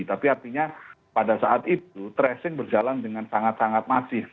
tapi artinya pada saat itu tracing berjalan dengan sangat sangat masif